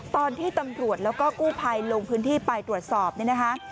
ตอนที่ตำรวจแล้วก็กู้ภัยลงพื้นที่ไปตรวจสอบเนี่ยนะคะ